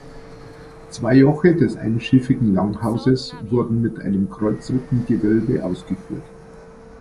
Zwei Joche des einschiffigen Langhauses wurden mit einem Kreuzrippengewölbe ausgeführt.